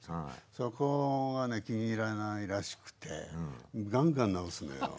そこがね気に入らないらしくてガンガン直すのよ。